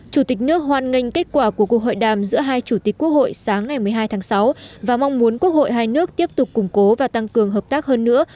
chủ tịch nước hoan nghênh kết quả của cuộc hội đàm giữa hai chủ tịch quốc hội sáng ngày một mươi hai tháng sáu và mong muốn quốc hội hai nước tiếp tục củng cố và tăng cường hợp tác hơn nữa